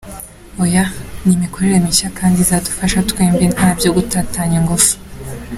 Oya, ni imikorere mishya kandi izadufasha twembi nta byo gutatanya ingufu.